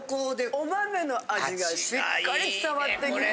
お豆の味がしっかり伝わってきて。